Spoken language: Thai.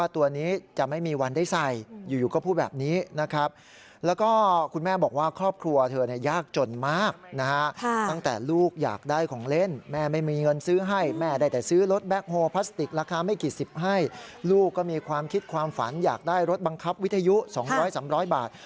แต่ซื้อรถแบ๊คโฮล์พลาสติกราคาไม่กี่สิบภายให้ลูกก็มีความคิดความฝันอยากได้รถบังคับวิทยุสองร้อยสามร้อยบาท